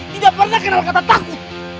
tidak pernah kenal kata takut